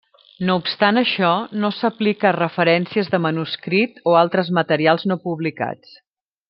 No obstant això, no s'aplica a referències de manuscrit o altres materials no publicats.